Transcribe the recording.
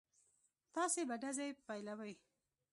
تاسې به ډزې پيلوئ.